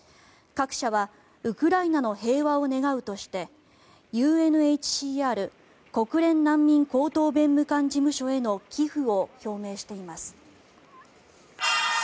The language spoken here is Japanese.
各社はウクライナの平和を願うとしてＵＮＨＣＲ・国連難民高等弁務官事務所への寄付を表明しています。